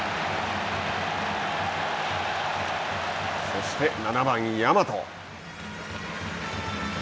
そして、７番大和。